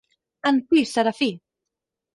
En fi, Serafí!